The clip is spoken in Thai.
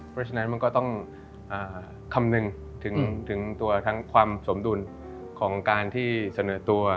เพราะฉะนั้นมันก็ต้องคำนึงถึงตัวทั้งความสมดุลของการที่เสนอตัว